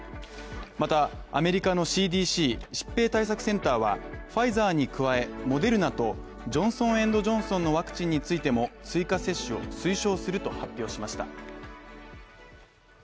また、アメリカのＣＤＣ疾病対策センターはファイザーに加え、モデルナとジョンソン・エンド・ジョンソンのワクチンについても、追加接種を推奨すると発表しました。